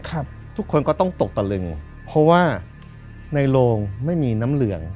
ทุกคนก็ต้องตกตะลึงเพราะว่าในโรงไม่มีน้ำเหลือง